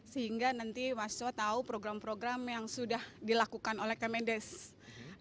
sehingga nanti mahasiswa tahu program program yang sudah dilakukan oleh kementerian desa pdtt